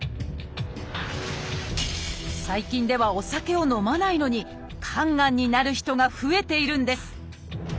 最近ではお酒を飲まないのに肝がんになる人が増えているんです。